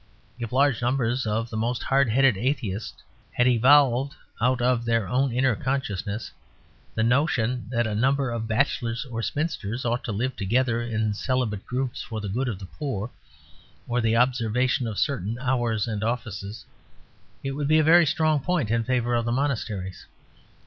If large numbers of the most hard headed atheists had evolved, out of their own inner consciousness, the notion that a number of bachelors or spinsters ought to live together in celibate groups for the good of the poor, or the observation of certain hours and offices, it would be a very strong point in favour of the monasteries.